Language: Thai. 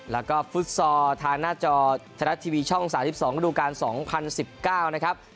แล้วก็ฟุตซอลทางหน้าจอไทยรัฐทีวีช่อง๓๒ระดูการ๒๐๑๙นะครับ